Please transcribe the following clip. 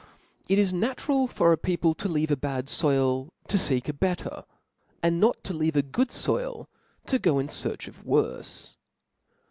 It is natural for a people to leave a bad foil CO feek a better ; and not to leave a good foil to go in fearch of worfe.